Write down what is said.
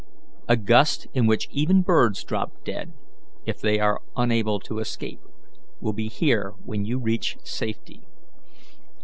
A gust in which even birds drop dead, if they are unable to escape, will be here when you reach safety.